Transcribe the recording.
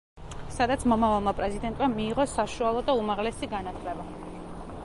სადაც მომავალმა პრეზიდენტმა მიიღო საშუალო და უმაღლესი განათლება.